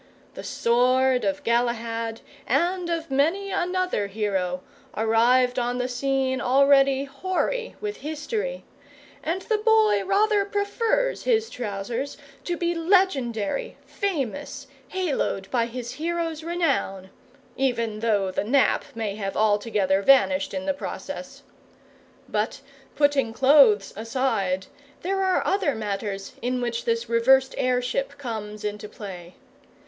The sword of Galahad and of many another hero arrived on the scene already hoary with history, and the boy rather prefers his trousers to be legendary, famous, haloed by his hero's renown even though the nap may have altogether vanished in the process. But, putting clothes aside, there are other matters in which this reversed heirship comes into play.